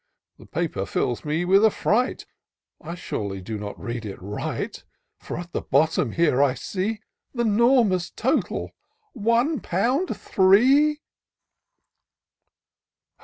The paper fills me with affright ;— I surely do not read it right : For at the bottom here, I see Th' enormous total — one pound, three